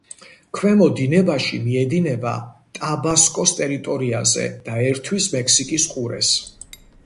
ქვემო დინებაში მიედინება ტაბასკოს ტერიტორიაზე და ერთვის მექსიკის ყურეს.